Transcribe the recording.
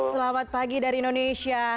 selamat pagi dari indonesia